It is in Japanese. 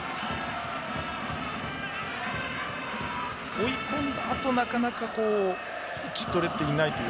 追い込んだあとなかなか打ち取れていないという。